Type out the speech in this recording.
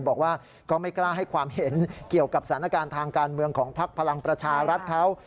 บอกว่าก็ไม่กล้าให้ความเห็นเกี่ยวกับสถานการณ์ทางการเมืองของภักดิ์พลังประชารัฐเขา